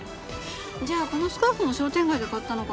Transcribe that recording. じゃあこのスカーフも商店街で買ったのかな？